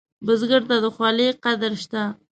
بزګر ته د خولې قدر شته